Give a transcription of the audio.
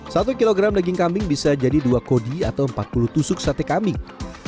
satu kilogram daging kambing bisa jadi dua kodi atau empat puluh tusuk sate kambing